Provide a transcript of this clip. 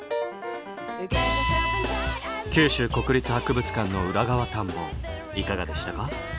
九州国立博物館の裏側探訪いかがでしたか？